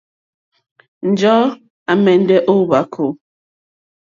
Njɔ̀ɔ́ à mɛ̀ndɛ́ ó hwàkó.